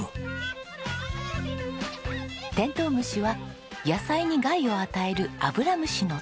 テントウムシは野菜に害を与えるアブラムシの天敵。